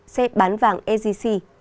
sẽ bán vàng sgc